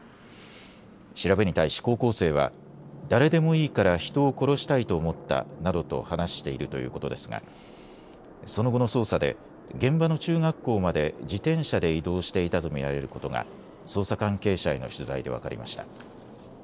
調べに対し高校生は誰でもいいから人を殺したいと思ったなどと話しているということですがその後の捜査で現場の中学校まで自転車で移動していたと見られることが捜査関係者への取材で分かりました。